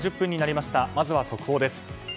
まずは速報です。